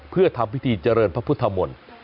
เพื่อทำพิธีเจริญพระพุทธมนตร์